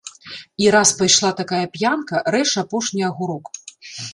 І раз пайшла такая п'янка, рэж апошні агурок.